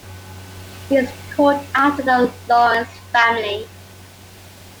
It is called after the 'Lawrence' family.